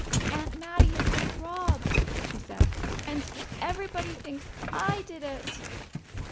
"Aunt Mattie has been robbed," she said. "And everybody thinks I did it!"